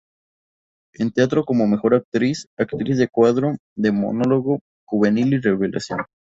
En teatro como Mejor Actriz, Actriz de Cuadro, de Monólogo, Juvenil y Revelación.